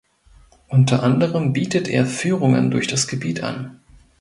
Unter anderem bietet er Führungen durch das Gebiet an.